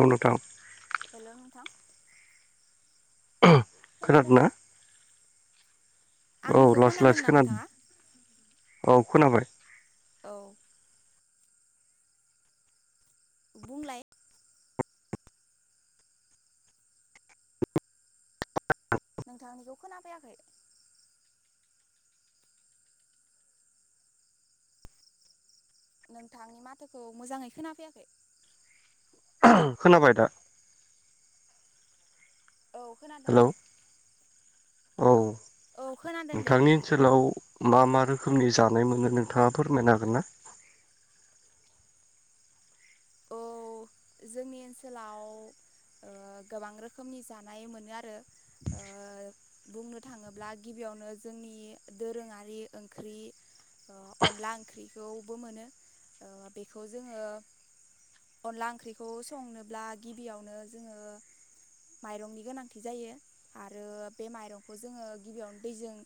औ नोंथां। हेल' नोंथां। खोनादों खोनादोंना ना? औ आंनिखौ लासै लासै खोनादोंना खोनादों नोंथाङा औ खोनाबाय। औ। बुंलाय नोंथांनिखौ खोनाफैयाखै। नोंथांनि माथोखौ मोजाङै खोनाफैयाखै। खोनाबाय दा? औ खोनादों हेलौ दे। औ औ खोनादों दे नोंथांनि ओनसोलाव मा मा रोखोमनि जानाय मोनो नोंथाङा फोरमायनो हागोन ना? औ [inaudible] जोंनि ओनसोलाव ओ गोबां रोखोमनि जानाय मोनो आरो ओ बुंनो थाङोब्ला गिबियाव यावनो जोंनि दोरोङारि ओंख्रि अनला ओंख्रिखौबो मोनो ओ बेखौ जोङो अनला ओंख्रिखौ संनोब्ला गिबियावनो जोङो माइरंनि गोनांथि जायो आरो बे माइरंखौ जोङो गिबियावनो दैजों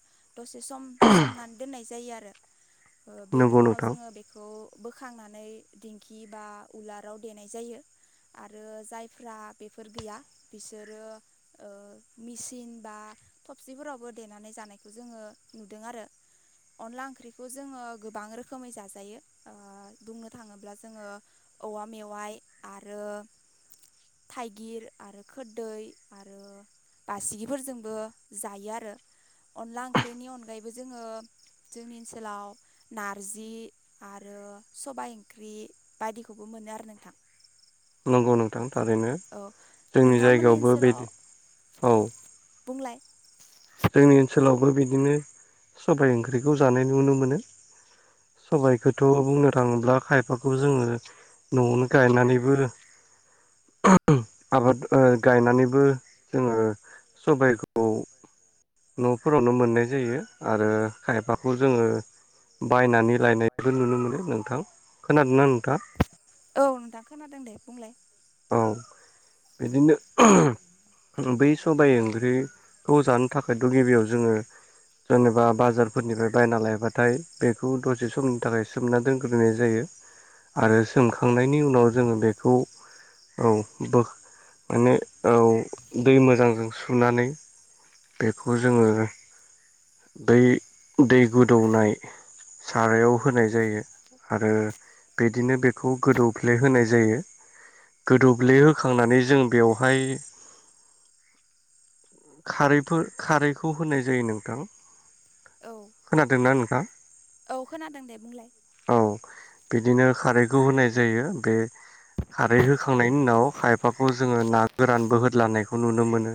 दसे सम सोमनानै दोननाय जायो आरो। [inaudible] ओ बेनि नंगौ उनाव नोंथां जोङो बेखौ बोखांनानै दिंखि बा उलाराव देनाय जायो। आरो जायफ्रा बेफोर गैया बिसोरो ओ मेसिन बा थबसिफोरावबो देनानै जानायखौ जोङो नुदों आरो। अनला ओंख्रिखौ जोङो गोबां रोखोमै जाजायो बुंनो थाङोब्ला जोङो औवा मेवाइ आरोौवव थाइगिर आरो खोरदै आरो बासिगिफोरजोंबो जायो आरो अनला ओंख्रिनि अनगायैबो जोङो जोंनि ओनसोलाव नारजि आरो सबाय ओंख्रि बायदिखौबो मोनो आरो नोंथां नांगौ नोंथां थारैनो औ जोंनि नोंथांमोननि जायगायावबो ओनसोलाव बेदि औ बुंलाय जोंनि ओनसोलावबो बिदिनो सबबाय ओंख्रिखौ जानाय नुनो मोनो सबाइखौथ' बुंनो थाङोब्ला खायफा बेखौ जोङो न'आवनो गायनानैबो आबाद गायनानैबो जोङो सबायखौ न'फोरावनो मोननाय जायो आरो खायफाखौ जोङो बायनानै लायनायबो नुनो मोनो नोंथां खोनादोंना नोंथाङा औ नोंथां खोनादों दे बुंलाय औ बिदिनो बै सबबाय ओंख्रिखौ जानो थाखायथ' गिबियाव जोङो जेनेबा बाजारफोरनिफ्राय बायना लायबाथाय बेखौ दसे समनि थाखाय सोमना दोनग्रोनाय जायो आरो सोमखांनायनि उनाव जोङो बेखौ औ ब माने औ दै मोजांजों सुनानै बेखौ जोङो बै दै गोदौनाय सारायाव होनाय जायो आरो बिदिनो बेखौ गोदौफ्ले होनाय जायो गोदौ्लेहखांनानै जों बेवहाय खारैफोर खारैखौ होनाय जायो नोंथां औ खोनादोंना नखा औ खोनादों दे बुंलाय बिदिनो खारैखौ होनाय जायो बे खारै होोखांनायनि उनाव खायफाखौ जोङो ना गोरान बोहदलानायखौ नुनो मोनो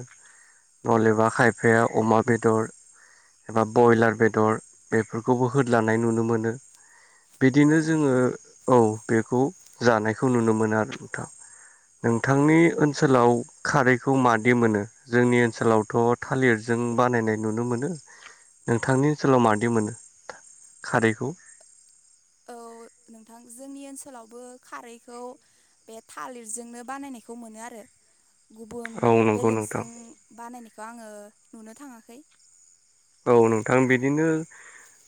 नलेबा खायफाया अमा बेदर एबा ब्रयलार बेदर बेफोरखौबो होद्लानाय नुनो मोनो औ बिदिनो जोङो औ बेखौ जानायखौ नुनो मोनो आरो नोंथां‌ नोंथांनि ओनसोलाव खारैखौ मादि मोनो जोंनि ओनसोलावथ' थालिरजों बानायनाय नुनो मोनो नोंथांनि ओनसोलाव माददि होनो खारैखौ औ नोंथां जोंनि ओनसोलावबो खारैखौ बे थालिरजोंनो बानायनायखौ मोनो आरो। [inaudible] गुबुन औ नंगौ नोंथां बेलेगजों बानायनायखौ आङो नुनो थाङाखै। औ नोंथां बिदिनो।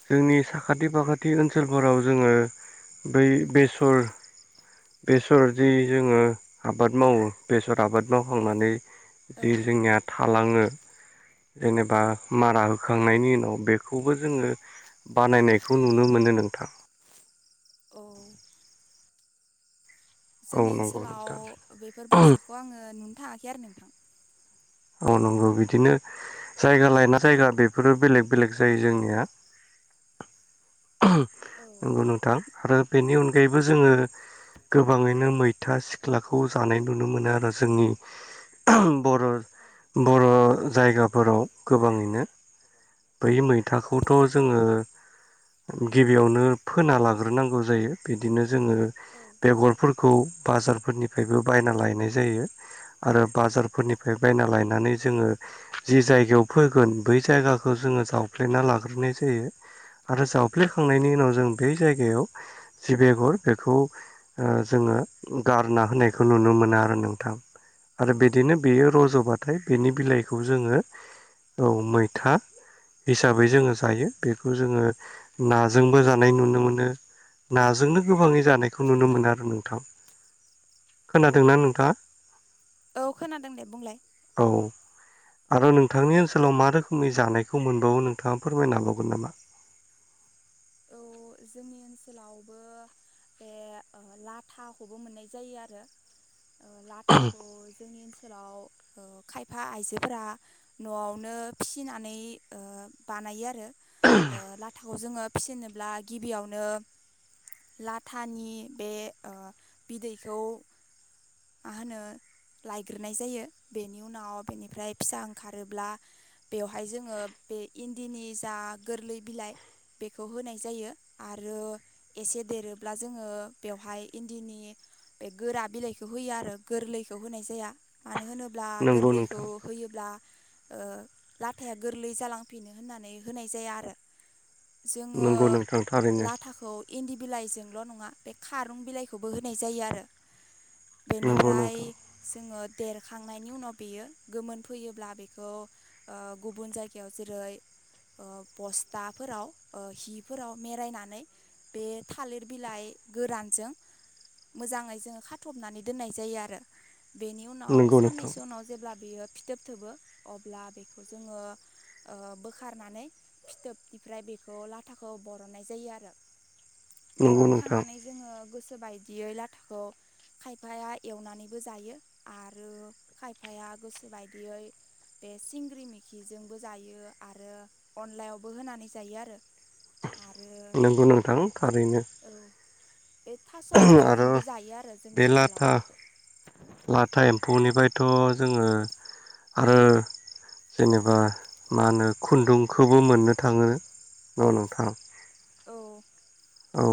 जोंनि साखाथि फाखाथि ओनसोलफोराव जोङो बै बेसर बेसर जि जोङो आबाद मावो बेसर आबाद मावखांनानै औ जि जोंनिया थालाङो जेनेबा मारा। बोखांनायनि उनाव बेखौबो जोङो बानायनायखौ नुनो मोनो नोंथां औ औ जोंनि नंगौ नोंथां ओनसोलाव बेफोर बायसाखौ आङो नुनो थाङाखै आरो नोंथां औ नंगौ बिदिनो जायगा लायना जायगा बेफोरो बेलेग बेलेग जायो जोंनिया औ नंगौ नोंथां आरो बेनि अनगायैबो जोङो गोबाङैनो मैथा सिख्लाखौ जानाय नुनो मोनो आरो जोंनि बर' बर' जायगाफोराव गोबाङैनो बै मैथाखौ थ' जोङो गिबियावनो फोना लाग्रोनांगौ जायो बिदिनो जोङो औ बे गलफोरखौ खौ बाजारफोरनिफ्रायबो बायना लायनाय जायो आरो बाजारफोरनिफ्राय- बायना लायनानै जोङो जि जायगायाव फोगोन बै जायगाखौ जोङो जावफ्लेना लाग्रोनाय ज फोयो। आरो जावफ्लेखांनायनि उनाव जों बे जायगायाव जि बेगर बेखौ ओ जोँ ओ गारना होनायखौ नुनो मोना आरो नोंथां आरो बिदिनो बेयो र- ज'बाथाय बेनि बिलाइखौ जोङो औ मैथा। हिसाबै जोङो जायो बेखौ जोङो नाजोंबो जानाय नुनो मोनो। नाजोंनो गोबाङै जानायखौ नुनो मोनो आरो नोंथां। औ खोनादोंना औ खोनादों दे बुंलाय। नोंथाङा औ। आरो नोंथांनि ओनसोलाव मा रोखोमनि जानायखौ मोनबावो नोंथाङा फोरमायनो हाबावगोन नामा? औ जोंनि ओनसोलावबो। बे लाथाखौबो मोननाय जायो आरो लाथाखौ जोंनि ओनसोलाव। ओनसोलाव ओ खायफा आइजोफोरा न'आवनो फिसिनानै ओ बा लायो आरो लाथाखौ जोङो फिसिनोब्ला गिबियावनो- लाथानि बे बिदैखौ। मा होनो लायग्रोनाय जायो बेनि उनाव बेनिफ्राय फिसा ओंखारोब्ला- बेवहाय जोङो बे इन्दिनि जा गोरलै बिलाइ बेखौ होनाय जायो। आरो एसे देरोब्ला जोङो बेवहाय इन्दिनि बे गोरा बिलाइखौ बेखौ होयो आरो गोरलैखौ होनाय जाया मानो होनोब्ला नंगौ गोरलैखौ नोंथां होयोब्ला। ओ लाथाया गोरलै जालांफिनो होननानै होनाय जाया आरो। जोङो नंगौ नोंथां थारैनो लाथाखौ इन्दि बिलाइजोंल' नङा बे खारुं बिलाइखौबो होनाय जायो आरो। नंगौ बेनिफ्राय नोंथां जोङो देरखांनायनि उनाव बेयो गोमोन फैयोब्ला बेखौ ओ गुबुन जायगायाव जेरै- ओ बस्थाफोराव ओ हि फोराव मेरायनानै बे थालिर बिलाइ गोरानजों मोजाङै जोङो खाथबनानै दोननाय जायो आरो। बेनि उनाव नंगौ नोंथां साननैसो उनाव जेब्ला बियो। फिथोब थोबो अब्ला बेखौ जोङो बोखारनानै फिथोबनिफ्राय बेखौ लाथ- थाखौ बरननाय जायो आरो नंगौ नोंथां बरनखांनानै जोङो गोसो बाय- दियै लाथाखौ खायफाया एवनानैबो जायो आरो खायफाया गोसो बायदियै बे सिंग्रि मेखिजोंबो जायो आरो अनलायावबो होनानै जायो आरो। आरो नोंगौ नांथां थारैनो औ बे थास' आरो बिथ्रिजोंबो जायो आरो बे जोंनि लाथा ओनसोलाव थ' जोङो आरो जेनेबा मा होनो खुन्दुंखौबो मोननो थाङो ना नोंथां औ औ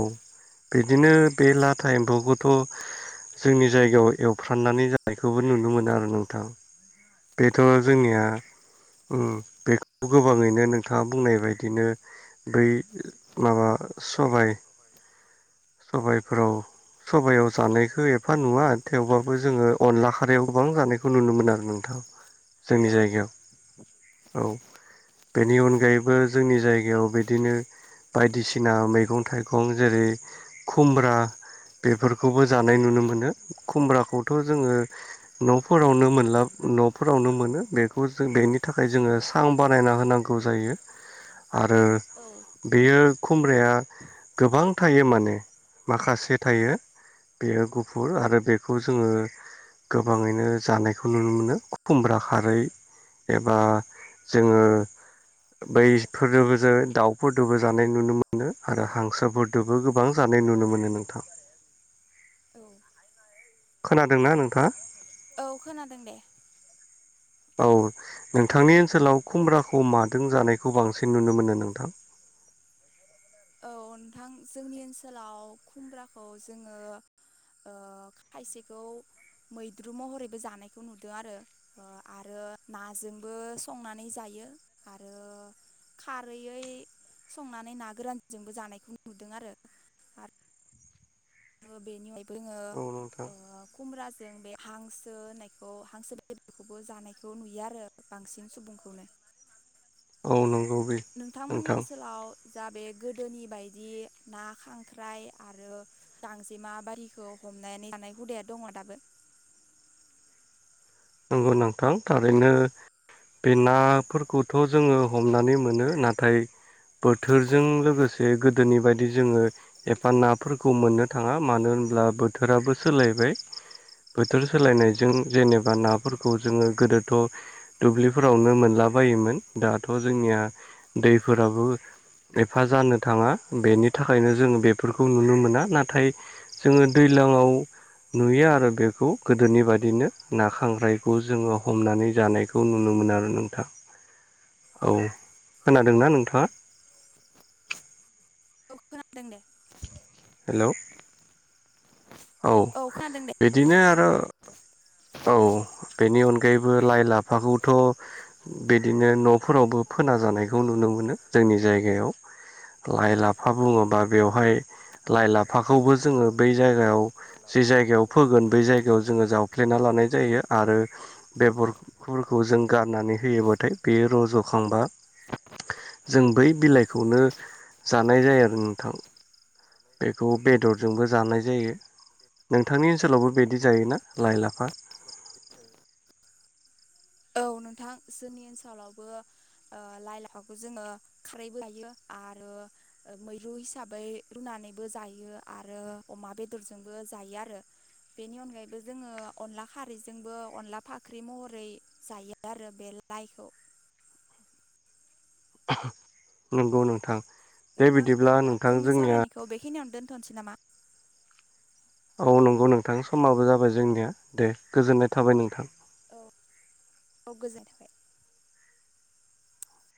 बिदिनो बे लाथा एम्फौखौथ' जोंनि जायगायाव एवफ्राननानै जानायखौबो नुनो मोनो आरो नोंथां बेथ' जोंनिया उम बेखौ गोबाङैनो नोंथाङा बुंनाय बायदिनो बै माबा सबाइफ्राव सबाइयाव जानायखौ एफा नुवा थेवबाबो जोङो अनला खारैयाव गोबां जानायखौ नुनो मोन आरो नोंथां औ जोंनि औ जायगायाव औ बेनि अनगायैबो जोंनि जायगायाव बिदिनो बायदिसिना मैगं मैगं थाइगं जेरै खुमब्रा बेफोरखौबो जानाय नुनो मोनो खुमब्राखौथ' जोङो न'फोरावनो मोनला न'फोरावनो मोनो बेखौ जों बेनि थाखाय जोङो सां बानायना होनांगौ जायो आरो औ बेयो खुमब्राया गोबां थायो माने माखासे थायो बेयो गुफुर आरो बेखौ जोङो गोबाङैनो जानायखौ नुनो मोनो खुमब्रा खारै एबा जोङो बैफोरजोंबो जो दाउफोरदोबो जानाय नुनो मोनो आरो हांसोफोरदोबो गोबां जानाय नुनो मोनो नोंथां औ खोनादोंना नोंथाङा औ खोनादों दे औ नोंथांनि ओनसोलाव खुमब्राखौ मादों जानायखौ बांसिन नुनो मोनो नोंथां [unintelligible] औ नोंथां जोंनि ओनसोलाव खुमब्राखौ जोङो ओ खायसेखौ मैद्रु महरैबो जानायखौ नुदों आरो ओ आरो नाजोंबो संनानै जायो आरो खारैयै संनानै ना गोरान जोंबो जानाय नुदों आरो आ- रो बेनि अनगायैबो जोङो औ नोंथां ओ खुम्रा जों बे हांसो होननायखौ हांसो बेदरखौबो जानायखौ नुयो आरो बांसिन सुबुंखौनो औ नं- नोंथांमोननि ओनसोलाव जा बे गोदोनि बायदि ना खांख्राइ आरो गांजेमा बारिखौ हमनानै नाय हुदाया दङ दाबो [unintelligible] नंगौ नोंथां थारैनो बे नाफोरखौथ जोङो हमनानै मोनो नाथाय बोथोरजों लोगोसे गोदोनि बादि जोङो एफा नाफोरखौ मोननो थाङा मानो होमब्ला बोथोराबो सोलायबाय बोथोर सोलायनायजों जेनेबा ना फोरखौ जोङो गोदोथ' दुब्लिफोरावनो मोनला बायोमोन दाथ' जोंनिया दैफोराबो एफा जानो थाङा बेनि थाखायनो जों बेफोरखौ नुनो मोना नाथाय जों दै ज्लाङाव नुयो आरो बेखौ गोदोनि बायदिनो ना खांख्राइ बेखौ जोङो हमनानै जानायखौ नुनो मोनो आरो नोंथां औ खोनादोंना नोंथाङा औ खोनादों दे हेलौ औ खोनादों दे बिदिनो आरो औ बेनि अनगायैबो लाइ लाफाखौथ' बिदिनो न'फोरावबो फोनाजानायखौ नुनो मोनो जोंनि जायगायाव लाइ लाफा बुङोबा बेवहाय लाइ लाफाखौबो जोङो बै जायगायाव जि जायगायाव फोगोन बै जायगायाव जोङो जावफ्लेना लानाय जायो आरो बेगर- खौ जों गारनानै होयोबाथाय बेयो रज'खांबा जों बै बिलाइखौनो जानाय जायो आरो नोंथां बेखौ बेदरजोंबो जानाय जायो नोंथांनि ओनसोलावबो बिदि जायोना लाइ लाफा औ नोंथां जोंनि ओनसोलावबो ओ लाइ लाफाखौ जोङो खारैबो जायो आरो मैरु हिसाबै रुनानैबो जायो आरो अमा बेदरजोंबो जायो आरो बेनि अनगायैबो जोङो अनला खारैजोंबो अनला फाख्रि महरै जायो आरो बे लाइखौ नंगौ नोंथां दे नोंथां बिदिब्ला नोंथां जोंनिया दोनथनिसै नामा औ नंगौ नोंथां समाबो जाबाय जोंनिया दे गोजोननाय थाबाय नोंथां औ औ गोजोननि थाबाय।